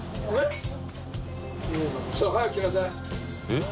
えっ？